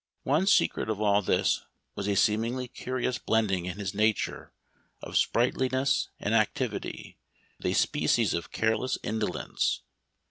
One secret of all this was a seemingly curi ous blending in his nature of sprightliness and activity with a species of careless indolence.